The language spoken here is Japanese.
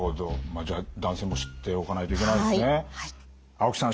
まあじゃあ男性も知っておかないといけないですね。